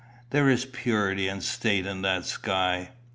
There is purity and state in that sky.